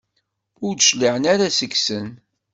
Ur d-cliɛen ara seg-sen.